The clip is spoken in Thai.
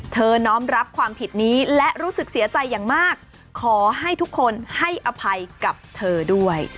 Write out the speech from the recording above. น้อมรับความผิดนี้และรู้สึกเสียใจอย่างมากขอให้ทุกคนให้อภัยกับเธอด้วย